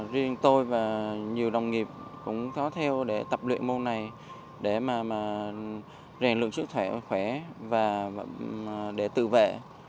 riêng tôi và nhiều đồng nghiệp cũng có theo để tập luyện môn này để mà rèn luyện sức khỏe khỏe và để tự vệ